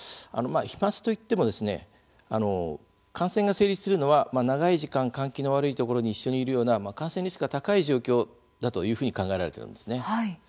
飛まつといっても感染が成立するのは長い時間、換気の悪いところに一緒にいるような感染リスクが高い状況だというふうに考えられているんですね。